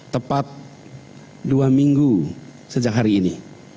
tepat dua minggu sejak hari ini